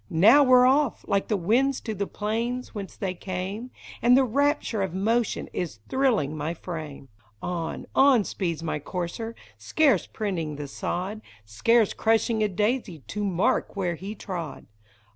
Now we 're off — like the winds to the plains whence they came ; And the rapture of motion is thrilling my frame ! On, on speeds my courser, scarce printing the sod, Scarce crushing a daisy to mark where he trod